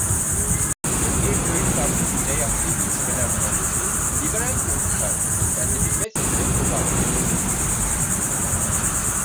Türkiye Köylü Partisi ile yaptığı görüşmeler sonrası Liberal Köylü Partisi kendini feshederek bu partiye katıldı.